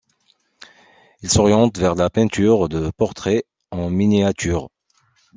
Il s'oriente vers la peinture de portraits en miniatures.